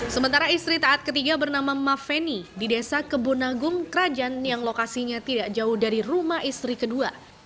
sementara istri taat ketiga bernama maveni di desa kebunagung kerajaan yang lokasinya tidak jauh dari rumah istri kedua